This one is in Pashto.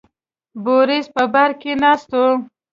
بوریس په بار کې ناست و.